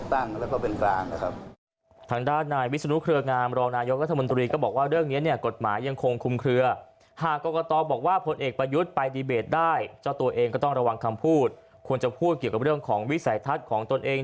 หากด้านนายวิศนุเครืองามรออยกฎศบนตรีก็บอกว่าเรื่องเนี้ยเนี่ยกฎหมายยังคงคุมเครือหากกลับตอบอกว่าผู้เอกประยุทธ์ไปดีเบตได้จะตัวเองก็ต้องระวังคำพูดควรจะพูดกับเรื่องของวิสัยทัศน์ของตัวเอง